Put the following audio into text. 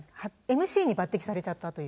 ＭＣに抜てきされちゃったという。